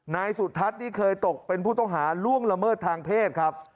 นายสุทัศน์นี่เคยตกเป็นผู้ต้องหาล่วงละเมิดทางเพศครับ